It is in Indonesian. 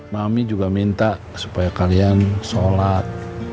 nami juga minta supaya kalian sholat